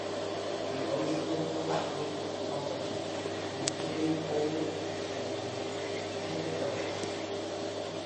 He also co-founded companies IntelliCorp and Teknowledge.